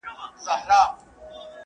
د رواني روغتیا مرکزونه چيري دي؟